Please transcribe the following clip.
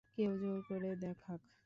কেউ জোর করে দেখাক।